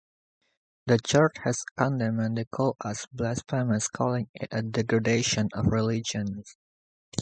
The Church has condemned the cult as blasphemous, calling it a "degeneration of religion".